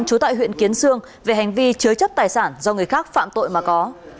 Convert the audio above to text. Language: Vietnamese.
trú tại huyện kiến sương về hành vi chứa chấp tài sản do người khác phạm tội mà có